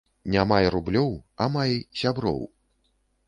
Ня май рублёў, а май сяброў